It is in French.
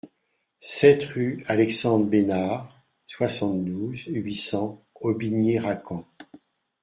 sept rue Alexandre Besnard, soixante-douze, huit cents, Aubigné-Racan